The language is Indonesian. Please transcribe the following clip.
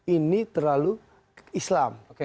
ini terlalu islam